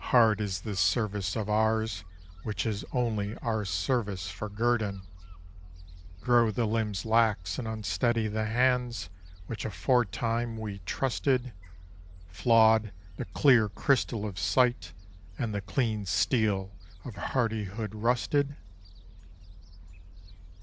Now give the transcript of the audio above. Hard is this service of ours which has only our service for guerdon: Grow the limbs lax, and unsteady the hands, which aforetime we trusted; Flawed, the clear crystal of sight; and the clean steel of hardihood rusted?